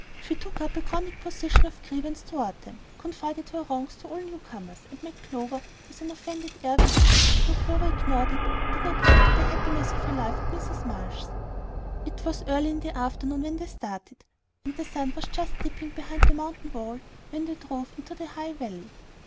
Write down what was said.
She took up a chronic position of grievance toward them, confided her wrongs to all new comers, and met Clover with an offended air which, though Clover ignored it, did not add to the happiness of her life at Mrs. Marsh's. It was early in the afternoon when they started, and the sun was just dipping behind the mountain wall when they drove into the High Valley.